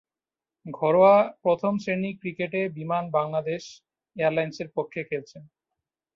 ঘরোয়া প্রথম-শ্রেণীর ক্রিকেটে বিমান বাংলাদেশ এয়ারলাইন্সের পক্ষে খেলেছেন।